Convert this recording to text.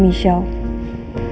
duh sayangnya mau ke bad deh